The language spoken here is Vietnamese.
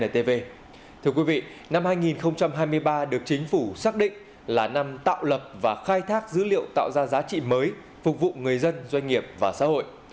thưa quý vị năm hai nghìn hai mươi ba được chính phủ xác định là năm tạo lập và khai thác dữ liệu tạo ra giá trị mới phục vụ người dân doanh nghiệp và xã hội